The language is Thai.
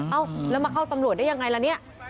เอ้าแล้วมาเข้าตำรวจได้ยังไงล่ะเนี่ย